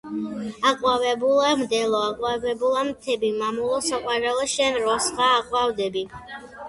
აყვავებულა მდელო აყვავებულან მთები მამულო საყვარელო შენ როსღა აყვავდები.